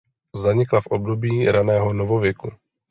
Zanikla v období raného novověku.